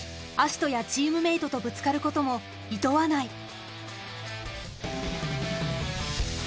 葦人やチームメートとぶつかることもいとわない。